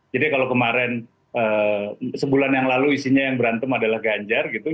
jadi kalau kemarin sebulan yang lalu isinya yang berantem adalah ganjar gitu